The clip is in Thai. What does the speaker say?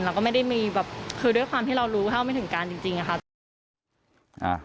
เราก็ไม่ได้มีแบบคือด้วยความที่เรารู้เท่าไม่ถึงการจริงอะค่ะ